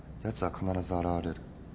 やつは必ず現れる。